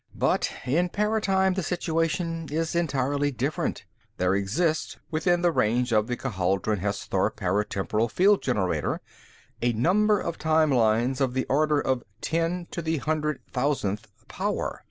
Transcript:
"But in paratime, the situation is entirely different. There exist, within the range of the Ghaldron Hesthor paratemporal field generator, a number of time lines of the order of ten to the hundred thousandth power.